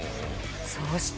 そして。